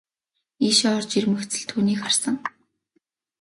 Ийшээ орж ирмэгц л түүнийг харсан.